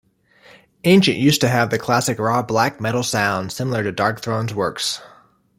Ancient used to have the classic raw black metal sound, similar to Darkthrone's works.